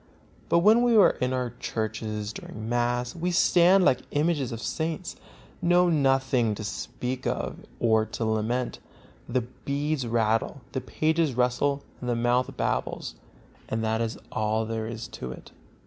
But when we are in our churches during mass, we stand like images of saints; know nothing to speak of or to lament; the beads rattle, the pages rustle and the mouth babbles; and that is all there is to it.